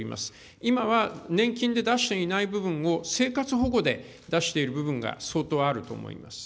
今は年金で出していない部分を生活保護で出している部分が相当あると思います。